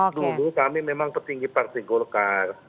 dulu kami memang petinggi partai golkar